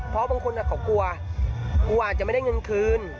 เพราะบางคนเขากลัวกูอาจจะไม่ได้เงินคืน